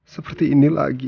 seperti ini lagi